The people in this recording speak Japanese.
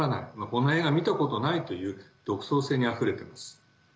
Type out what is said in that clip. この映画見たことないという独創性にあふれています。